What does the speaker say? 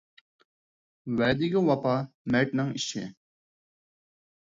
ۋەدىگە ۋاپا – مەردنىڭ ئىشى.